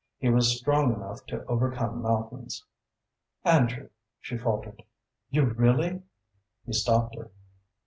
He was strong enough to overcome mountains. "Andrew," she faltered, "you really " He stopped her.